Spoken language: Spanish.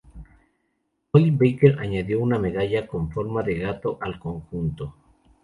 Colin Baker añadió una medalla con forma de gato al conjunto.